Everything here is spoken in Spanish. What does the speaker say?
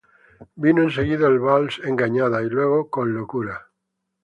Vino en seguida el vals ""Engañada"" y luego ""Con Locura"".